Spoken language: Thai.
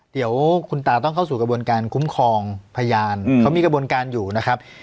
เดี๋ยวคุณตาต้องเข้าสู่กระบวนการคุ้มครองพยานเขามีกระบวนการอยู่นะครับ